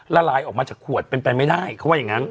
ละลายออกมาจากขวดเป็นไปไม่ได้เขาว่าอย่างนั้น